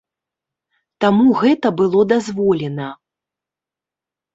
Таму гэта было дазволена.